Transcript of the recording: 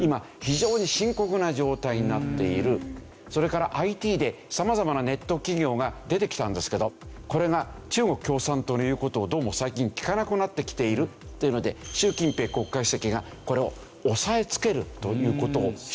それからＩＴで様々なネット企業が出てきたんですけどこれが中国共産党の言う事をどうも最近聞かなくなってきているっていうので習近平国家主席がこれを押さえつけるという事をしてるんです。